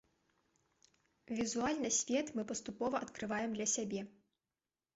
Візуальна свет мы паступова адкрываем для сябе.